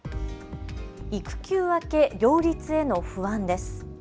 育休明け両立への不安です。